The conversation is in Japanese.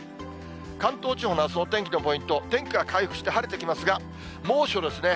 関東地方のあすのお天気のポイント、天気は回復して晴れてきますが、猛暑ですね。